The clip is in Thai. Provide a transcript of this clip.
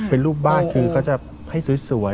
เป็นรูปบ้านคือเขาจะให้สวย